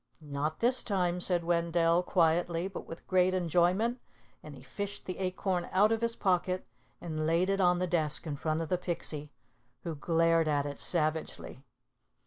"Not this time," said Wendell, quietly but with great enjoyment, and he fished the acorn out of his pocket and laid it on the desk in front of the Pixie, who glared at it savagely.